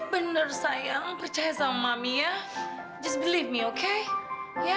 bener sayang percaya sama mami ya just believe me okay ya